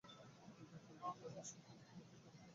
কিন্তু যদি তাহার সম্বন্ধে তোমার কিছু জানা থাকে, তাহা লিখিবে।